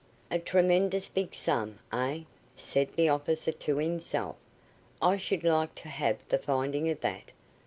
"A tremendous big sum, eh?" said the officer, to himself. "I should like to have the finding of that.